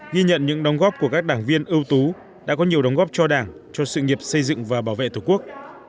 ghi nhận những đóng góp của các đảng viên ưu tú đã có nhiều đóng góp cho đảng cho sự nghiệp xây dựng và bảo vệ tổ quốc